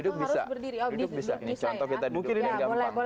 duduk bisa ini contoh kita duduk